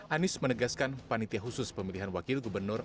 anies menegaskan panitia khusus pemilihan wakil gubernur